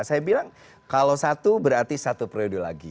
saya bilang kalau satu berarti satu periode lagi